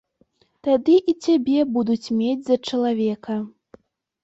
Тады і цябе будуць мець за чалавека.